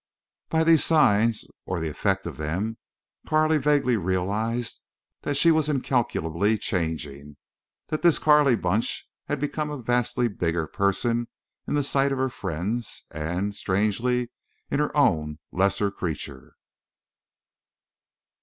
By these signs, or the effect of them, Carley vaguely realized that she was incalculably changing, that this Carley Burch had become a vastly bigger person in the sight of her friends, and strangely in her own a lesser creature.